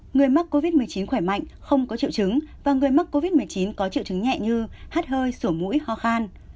người mắc covid một mươi chín khỏe mạnh không có triệu chứng và người mắc covid một mươi chín có triệu chứng nhẹ như hát hơi sổ mũi ho khan